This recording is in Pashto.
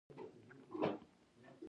زدهکړه د پوهې خزانه ده.